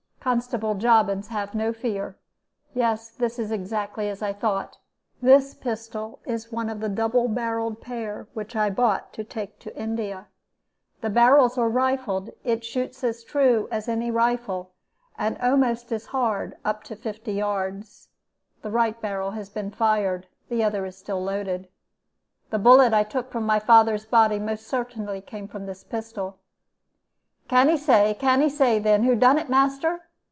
Constable Jobbins have no fear. 'Yes, it is exactly as I thought. This pistol is one of the double barreled pair which I bought to take to India. The barrels are rifled; it shoots as true as any rifle, and almost as hard up to fifty yards. The right barrel has been fired, the other is still loaded. The bullet I took from my father's body most certainly came from this pistol.' "'Can 'e say, can 'e say then, who done it, master?'